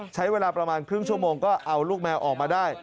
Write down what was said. ใช้เวลาประมาณครึ่งชั่วโมงก็เอาลูกแมวออกมาได้